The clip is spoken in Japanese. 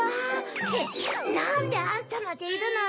ってなんであんたまでいるのよ！